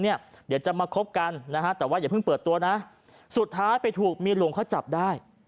เดี๋ยวจะมาคบกันนะฮะแต่ว่าอย่าเพิ่งเปิดตัวนะสุดท้ายไปถูกเมียหลวงเขาจับได้